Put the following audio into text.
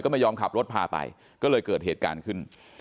ไม่ยอมขับรถพาไปก็เลยเกิดเหตุการณ์ขึ้น